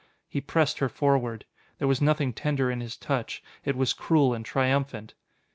He pressed her forward. There was nothing tender in his touch: it was cruel and triumphant.